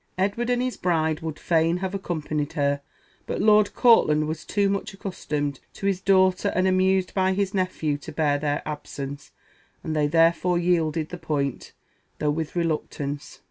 Edward and his bride would fain have accompanied her; but Lord Courtland was too much accustomed to his daughter and amused by his nephew to bear their absence, and they therefore yielded the point, though with reluctance.